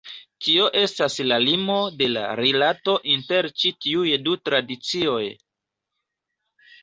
Tio estas la limo de la rilato inter ĉi tiuj du tradicioj.